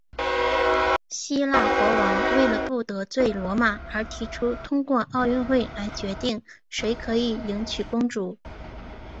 希腊国王为了不得罪罗马而提出通过奥运会来决定谁可以迎娶公主。